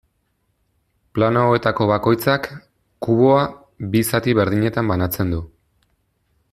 Plano hauetako bakoitzak, kuboa, bi zati berdinetan banatzen du.